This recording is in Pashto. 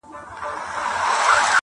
شهنشاه یمه د غرونو زه زمری یم!!